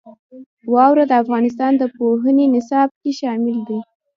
واوره د افغانستان د پوهنې نصاب کې شامل دي.